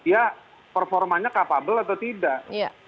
ya performanya capable atau tidak